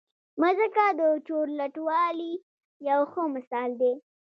مځکه د چورلټوالي یو ښه مثال دی.